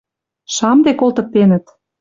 Шамде колтыктенӹт.